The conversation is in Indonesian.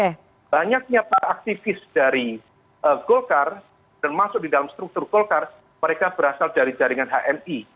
karena banyaknya para aktivis dari golkar dan masuk di dalam struktur golkar mereka berasal dari jaringan hmi